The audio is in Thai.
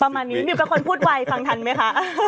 ประมาณนี้มิวเป็นคนพูดไวฟังทันไหมคะ